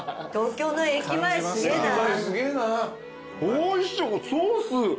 おいしいソース。